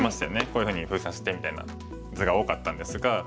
こういうふうに封鎖してみたいな図が多かったんですが。